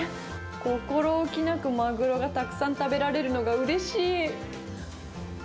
心置きなくマグロがたくさん食べられるのがうれしい！